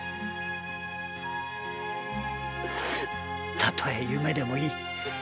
たとえ夢でもいい。